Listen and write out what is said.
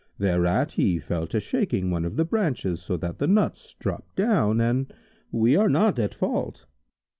thereat he fell to shaking one of the branches, so that the nuts dropped down, and we are not at fault."